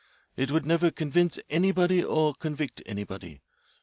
It would never convince anybody or convict anybody.